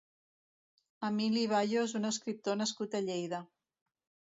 Emili Bayo és un escriptor nascut a Lleida.